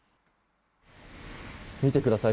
見てください。